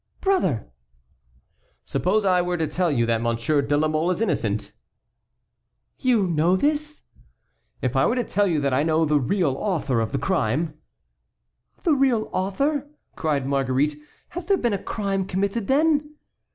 "Brother!" "Suppose I were to tell you that Monsieur de la Mole is innocent?" "You know this?" "If I were to tell you that I know the real author of the crime?" "The real author!" cried Marguerite; "has there been a crime committed, then?"